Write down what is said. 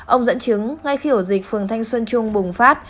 ông dẫn chứng ngay khi ổ dịch phường thanh xuân trung bùng phát